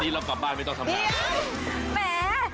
เดี๋ยวแม่